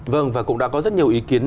vâng và cũng đã có rất nhiều ý kiến